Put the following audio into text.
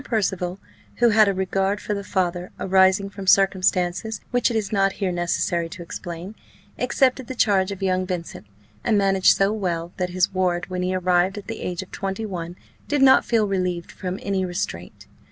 Percival, who had a regard for the father, arising from circumstances which it is not here necessary to explain, accepted the charge of young Vincent, and managed so well, that his ward when he arrived at the age of twenty one did not feel relieved from any restraint.